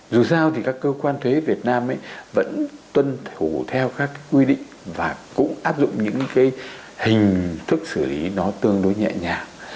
dù sao thì các cơ quan thuế việt nam ấy vẫn tuân thủ theo các quy định và cũng áp dụng những cái hình thức xử lý nó tương đối nhẹ nhàng